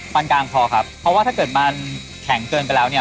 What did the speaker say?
กลางพอครับเพราะว่าถ้าเกิดมันแข็งเกินไปแล้วเนี่ย